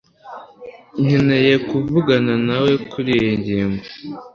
nkeneye kuvugana nawe kuriyi ngingo